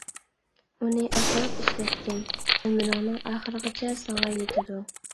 ئۇنى ئاسراپ ئىشلەتكىن. ئۆمرۈڭنىڭ ئاخىرغىچە، ساڭا يېتىدۇ.